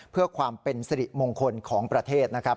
เพื่อความเป็นสิริมงคลของประเทศนะครับ